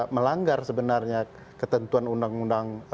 melanggar sebenarnya ketentuan undang undang